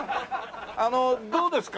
あのどうですか？